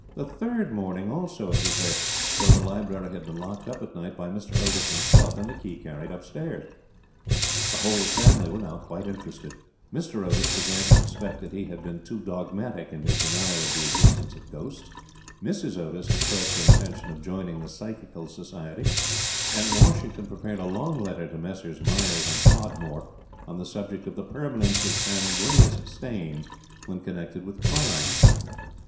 The third morning also it was there, though the library had been locked up at night by Mr. Otis himself, and the key carried up stairs. The whole family were now quite interested; Mr. Otis began to suspect that he had been too dogmatic in his denial of the existence of ghosts, Mrs. Otis expressed her intention of joining the Psychical Society, and Washington prepared a long letter to Messrs. Myers and Podmore on the subject of the Permanence of Sanguineous Stains when connected with Crime.